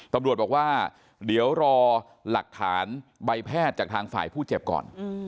ตำรวจบอกว่าเดี๋ยวรอหลักฐานใบแพทย์จากทางฝ่ายผู้เจ็บก่อน